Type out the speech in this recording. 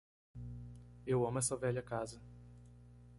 Eu amo essa velha casa.